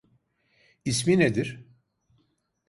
İsmi nedir?